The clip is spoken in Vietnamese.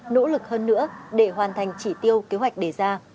nỗ lực hơn nữa để hoàn thành chỉ tiêu kế hoạch đề ra